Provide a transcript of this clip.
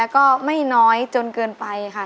ก็ไม่น้อยจนเกินไปค่ะ